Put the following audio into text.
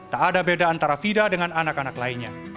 tak ada beda antara fida dengan anak anak lainnya